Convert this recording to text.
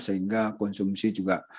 sehingga konsumsi juga